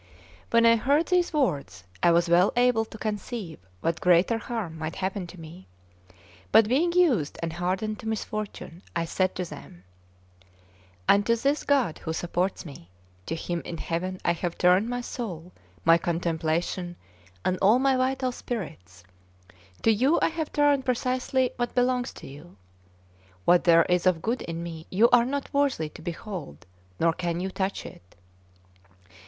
When I heard these words, I was well able to conceive what greater harm might happen to me, but being used and hardened to misfortune, I said to them: "Unto this God who supports me, to Him in heaven I have turned my soul, my contemplation, and all my vital spirits; to you I have turned precisely what belongs to you. What there is of good in me, you are not worthy to behold, nor can you touch it.